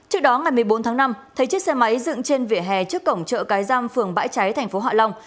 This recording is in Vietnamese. trước đó ngày một mươi bốn tháng năm thấy chiếc xe máy dựng trên vỉa hè trước cổng chợ cái giam phường bãi cháy thành phố hạ long